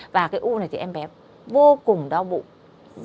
và cái u này thì em bé vô cùng đau bụng